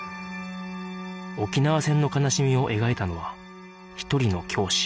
沖縄戦の悲しみを描いたのは一人の教師